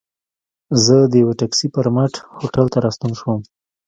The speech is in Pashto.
زه د یوه ټکسي پر مټ هوټل ته راستون شوم.